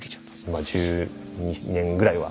まあ１２年ぐらいは。